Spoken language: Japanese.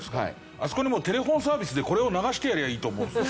あそこにもうテレホンサービスでこれを流してやればいいと思うんです。